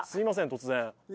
突然。